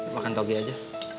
makan togi aja